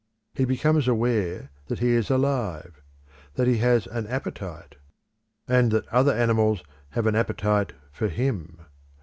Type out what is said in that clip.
He becomes aware that he is alive; that he has an appetite; and that other animals have an appetite for him.